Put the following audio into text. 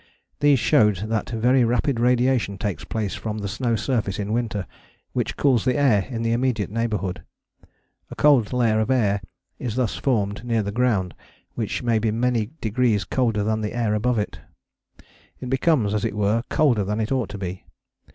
These showed that very rapid radiation takes place from the snow surface in winter, which cools the air in the immediate neighbourhood: a cold layer of air is thus formed near the ground, which may be many degrees colder than the air above it. It becomes, as it were, colder than it ought to be.